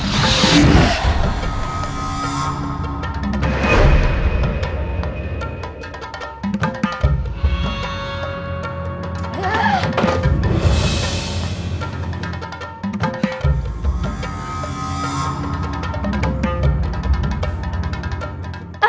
jangan berbicara sama mereka